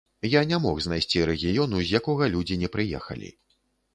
Я не мог знайсці рэгіёну, з якога людзі не прыехалі.